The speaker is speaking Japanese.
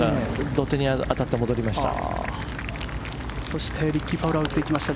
土手に当たって戻りました。